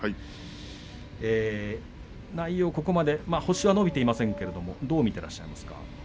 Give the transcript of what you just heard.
内容、ここまで星は伸びていませんけれどもどう見ていらっしゃいますか？